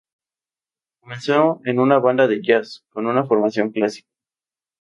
Comenzó en una banda de jazz, con una formación clásica.